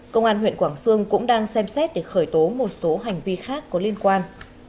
công an huyện quảng sương cũng đang xem xét để khởi tố một số hành vi khác có liên quan